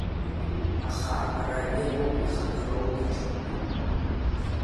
Аха ара иҟоуп ихадароу даҽакгьы.